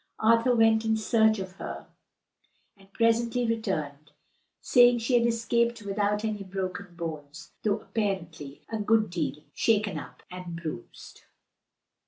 Arthur went in search of her, and presently returned, saying she had escaped without any broken bones, though apparently a good deal shaken up and bruised.